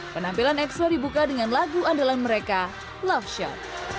penampilan exo dibuka dengan lagu andalan mereka love shot